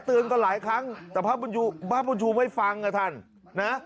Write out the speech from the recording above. เตือนกันหลายครั้งแต่พระบุญพระบุญชูไม่ฟังอ่ะท่านนะ